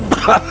tak hati bune